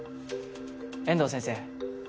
遠藤先生